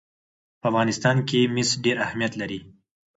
په افغانستان کې مس ډېر اهمیت لري.